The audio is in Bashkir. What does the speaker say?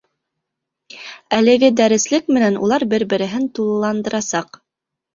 Әлеге дәреслек менән улар бер-береһен тулыландырасаҡ.